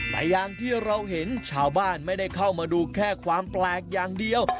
แต่อย่างที่เราเห็นชาวบ้านไม่ได้เข้ามาดูแค่ความแปลกอย่างเดียว